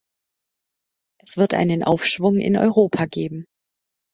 Es wird einen Aufschwung in Europa geben.